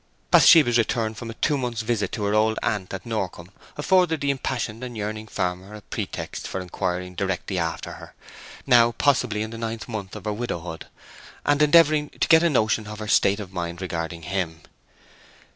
Bathsheba's return from a two months' visit to her old aunt at Norcombe afforded the impassioned and yearning farmer a pretext for inquiring directly after her—now possibly in the ninth month of her widowhood—and endeavouring to get a notion of her state of mind regarding him.